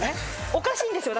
おかしいんですよ。